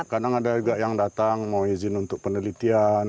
kadang ada juga yang datang mau izin untuk penelitian